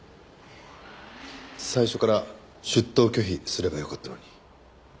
最初から出頭拒否すればよかったのに。